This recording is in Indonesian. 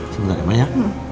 sebentar emang ya